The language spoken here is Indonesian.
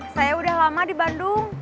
saya udah lama di bandung